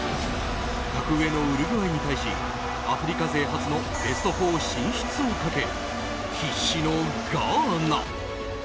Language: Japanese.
格上のウルグアイに対しアフリカ勢初のベスト４進出をかけ必死のガーナ。